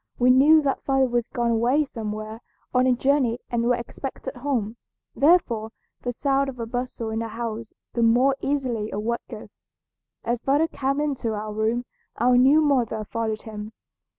We knew that father was gone away somewhere on a journey and was expected home, therefore the sound of a bustle in the house the more easily awoke us. As father came into our room our new mother followed him.